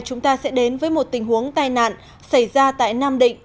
chúng ta sẽ đến với một tình huống tai nạn xảy ra tại nam định